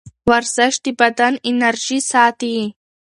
ورزش د بدن انرژي ساتي.